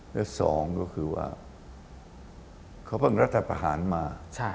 และสองก็คือว่าเขาเพิ่งรัฐประหารมา